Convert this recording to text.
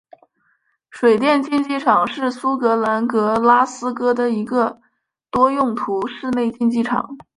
水电竞技场是苏格兰格拉斯哥的一个多用途室内竞技场。